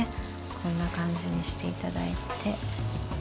こんな感じにしていただいて。